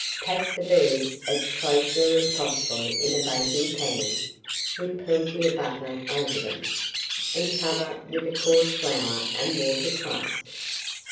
Pack the birds as closely as possible in a baking pan, with plenty of butter over them, and cover with a coarse flour and water crust.